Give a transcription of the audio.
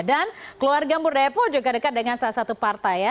dan keluarga murdaya po juga dekat dengan salah satu partai ya